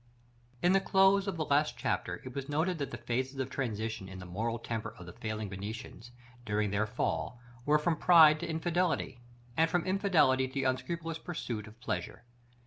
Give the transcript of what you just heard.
In the close of the last chapter it was noted that the phases of transition in the moral temper of the falling Venetians, during their fall, were from pride to infidelity, and from infidelity to the unscrupulous pursuit of pleasure.